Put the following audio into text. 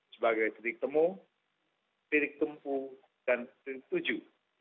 sebagai titik temu titik tempuh dan titik tujuh